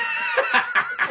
ハハハハ！